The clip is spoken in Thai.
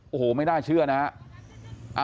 โอ้โหไม่น่าเชื่อนะฮะ